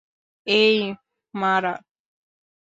এই, মারা।